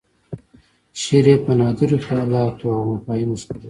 شعر یې په نادرو خیالاتو او مفاهیمو ښکلی و.